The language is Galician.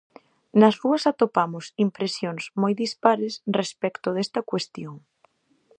Nas rúas atopamos impresións moi dispares respecto desta cuestión.